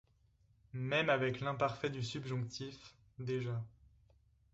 Même avec l'imparfait du subjonctif. Déjà